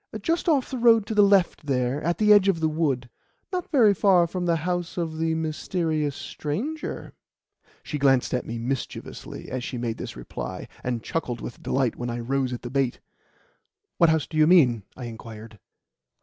"Just off the road to the left there, at the edge of the wood. Not very far from the house of the mysterious stranger." She glanced at me mischievously as she made this reply, and chuckled with delight when I rose at the bait. "What house do you mean?" I inquired.